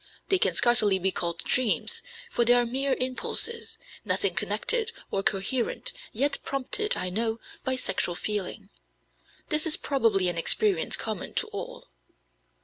They can scarcely be called dreams, for they are mere impulses, nothing connected or coherent, yet prompted, I know, by sexual feeling. This is probably an experience common to all."